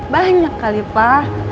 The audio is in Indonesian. banyak kali pa